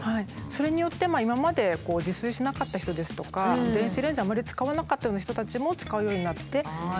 それによって今まで自炊しなかった人ですとか電子レンジあまり使わなかったような人たちも使うようになって使用頻度が。